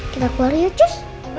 kita keluar ya cus